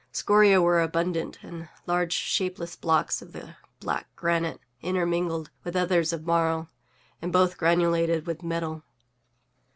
Scoria were abundant, and large shapeless blocks of the black granite, intermingled with others of marl, {*6} and both granulated with metal.